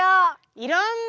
いろんな。